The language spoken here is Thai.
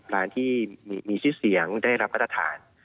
ร้านที่มีชื่อเสียงได้รับมาตรฐาน